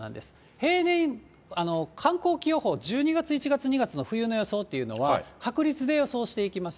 平年、寒候期予報、１２月、１月、２月の冬の予想っていうのは、確率で予想していきます。